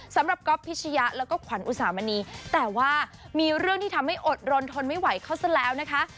สำหรับก๊อฟพิชยะแล้วก็ขวัญอุสามณีแต่ว่ามีเรื่องที่ทำให้อดรนทนไม่ไหวเขาซะแล้วนะคะ